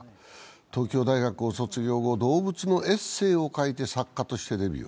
東京大学を卒業後、動物のエッセーを書いて作家としてデビュー。